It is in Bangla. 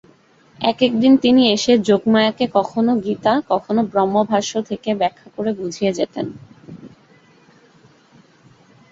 এক-একদিন তিনি এসে যোগমায়াকে কখনো গীতা কখনো ব্রহ্মভাষ্য থেকে ব্যাখ্যা করে বুঝিয়ে যেতেন।